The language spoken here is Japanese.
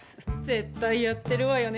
絶対やってるわよね。